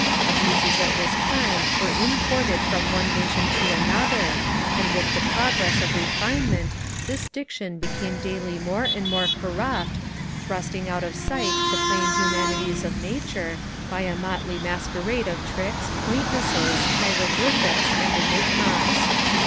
Abuses of this kind were imported from one nation to another, and with the progress of refinement this diction became daily more and more corrupt, thrusting out of sight the plain humanities of nature by a motley masquerade of tricks, quaintnesses, hieroglyphics, and enigmas.